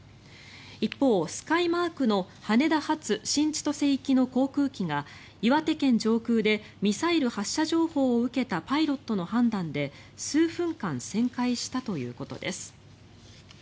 一方、スカイマークの羽田発新千歳行きの航空機が岩手県上空でミサイル発射情報を受けたパイロットの判断で数分間旋回したということです。